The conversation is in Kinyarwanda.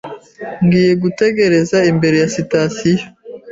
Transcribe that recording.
Ngiye gutegereza imbere ya sitasiyo.